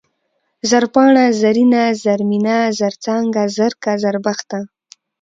زرپاڼه ، زرينه ، زرمينه ، زرڅانگه ، زرکه ، زربخته